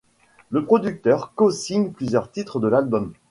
Le producteur co-signe plusieurs titres de l'album.